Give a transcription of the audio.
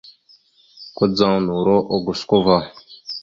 Kudzaŋ noro ogusko va.